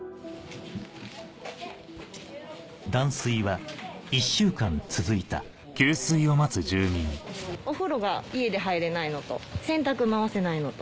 断水は１週間続いたお風呂が家で入れないのと洗濯回せないのと。